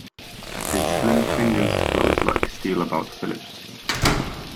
His slim fingers closed like steel about Philip's.